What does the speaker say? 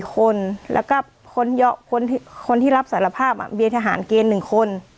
คนแล้วก็คนที่รับสารภาพเบียร์ทหารเกณฑ์๑คน